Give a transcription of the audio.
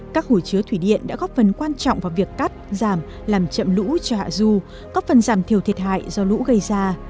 các hồ chứa thủy điện đã góp phần quan trọng vào việc cắt giảm làm chậm lũ cho hạ du có phần giảm thiểu thiệt hại do lũ gây ra